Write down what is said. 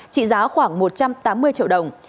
trị giá khoảng một trăm tám mươi triệu đồng